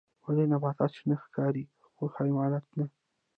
ولې نباتات شنه ښکاري خو حیوانات نه